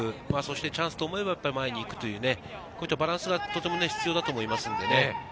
チャンスと思えば前に行くというバランスがとても必要だと思いますのでね。